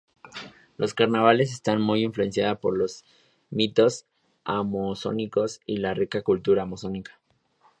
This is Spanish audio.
Los carnavales está muy influenciada por los mitos amazónicos y la rica cultura amazónica.